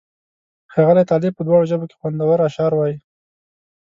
ښاغلی طالب په دواړو ژبو کې خوندور اشعار وایي.